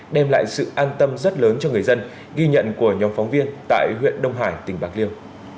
đem lại sự an tâm rất lớn cho người dân ghi nhận của nhóm phóng viên tại huyện đông hải tỉnh bạc liêu